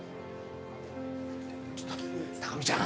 ちょっと高見ちゃん！